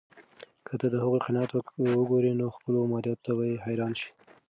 که ته د هغوی قناعت وګورې، نو خپلو مادیاتو ته به حیران شې.